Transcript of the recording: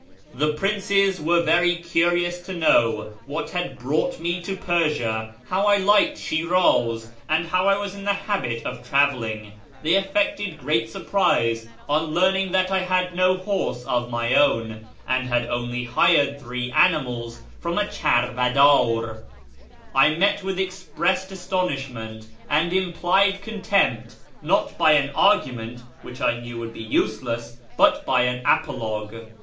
The Princes were very curious to know what had brought me to Persia, how I liked Shiraz, and how I was in the habit of travelling. They affected great surprise on learning that I had no horse of my own, and had only hired three animals from a charvadctr. I met their expressed astonishment and implied contempt not by an argument (wliich I knew would be useless), but by an apologue.